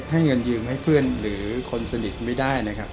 ให้เงินยืมให้เพื่อนหรือคนสนิทไม่ได้นะครับ